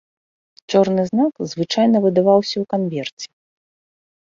Чорны знак звычайна выдаваўся ў канверце.